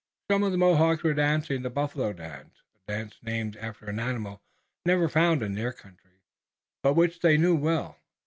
Some of the Mohawks were dancing the Buffalo Dance, a dance named after an animal never found in their country, but which they knew well.